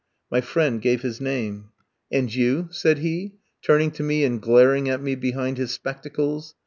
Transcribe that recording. My friend gave his name. "And you?" said he, turning to me and glaring at me behind his spectacles.